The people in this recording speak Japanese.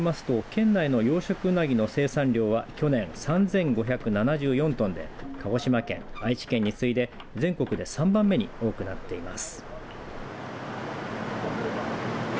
水産庁によりますと県内の養殖うなぎの生産量は去年３５７４トンで鹿児島、愛知県に次いで全国で３番目に多くなっています。